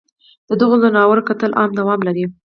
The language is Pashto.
ددغو ځناورو قتل عام دوام لري